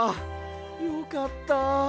よかった！